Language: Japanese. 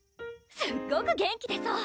すっごく元気出そう！